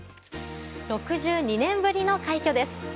６２年ぶりの快挙です。